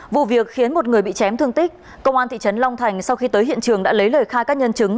vụ việc khiến một người bị chém thương tích công an thị trấn long thành sau khi tới hiện trường đã lấy lời khai các nhân chứng